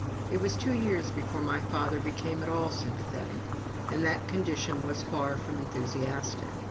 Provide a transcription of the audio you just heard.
It was two years before my father became at all sympathetic, and that condition was far from enthusiastic.